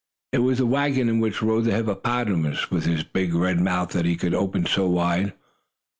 It was the wagon in which rode the hippopotamus, with his big red mouth that he could open so wide.